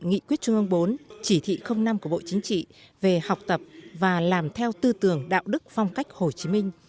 nghị quyết trung ương bốn chỉ thị năm của bộ chính trị về học tập và làm theo tư tưởng đạo đức phong cách hồ chí minh